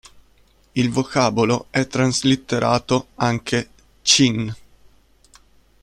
Il vocabolo è traslitterato anche "ch'in".